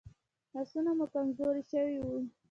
آسونه مو کمزوري شوي وو.